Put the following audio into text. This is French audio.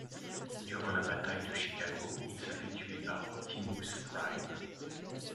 Durant la bataille de Chicago, il se fait tuer par Optimus Prime.